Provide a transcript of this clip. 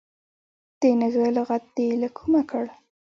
د نږه لغت دي له کومه کړ.